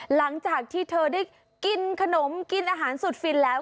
หลังจากที่เธอได้กินขนมกินอาหารสุดฟินแล้ว